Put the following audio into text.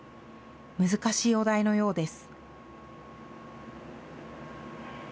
難しいお題のようです。